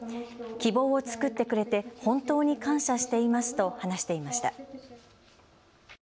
希望を作ってくれて本当に感謝していますと話していました。